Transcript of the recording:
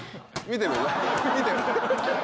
見てる。